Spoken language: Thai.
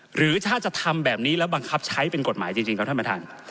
หรือถ้าจะทำแบบนี้แล้วบังคับใช้เป็นกฎหมายจริงครับท่านประธาน